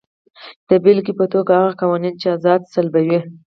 د بېلګې په توګه هغه قوانین چې ازادي سلبوي.